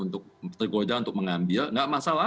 untuk tergoda untuk mengambil nggak masalah